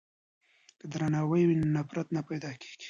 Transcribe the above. که درناوی وي نو نفرت نه پیدا کیږي.